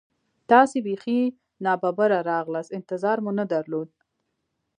تاسې بیخي نا ببره راغلاست، انتظار مو نه درلود.